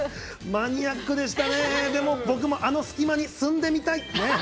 マニアックでしたね、でも僕もあの隙間に住んでみたい。